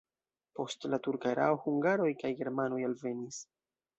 Post la turka erao hungaroj kaj germanoj alvenis.